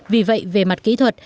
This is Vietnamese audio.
vì vậy về mặt kỹ thuật